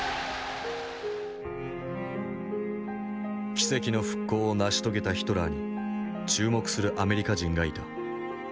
奇跡の復興を成し遂げたヒトラーに注目するアメリカ人がいた。